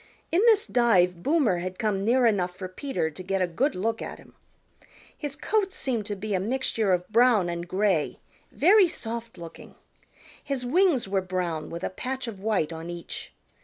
In this dive Boomer had come near enough for Peter to get a good look at him. His coat seemed to be a mixture of brown and gray, very soft looking. His wings were brown with a patch of white on each.